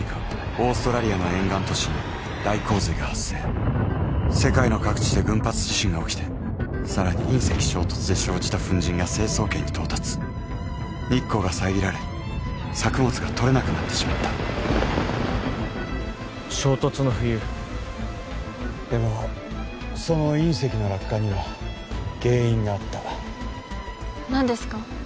オーストラリアの沿岸都市に大洪水が発生世界の各地で群発地震が起きてさらに隕石衝突で生じた粉じんが成層圏に到達日光が遮られ作物がとれなくなってしまった「衝突の冬」でもその隕石の落下には原因があった何ですか？